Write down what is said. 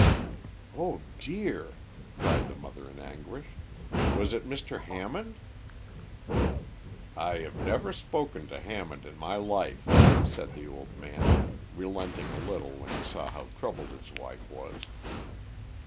"Oh dear!" cried the mother in anguish. "Was it Mr. Hammond?" "I have never spoken to Hammond in my life," said the old man, relenting a little when he saw how troubled his wife was.